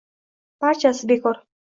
«Barchasi bekor.